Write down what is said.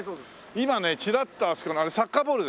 今ねチラッとあそこのあれサッカーボールですか？